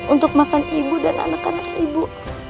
untuk makan ibu dan anak anak ibu